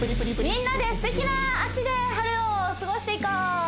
みんなですてきな脚で春を過ごしていこう！